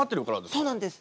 そうなんです。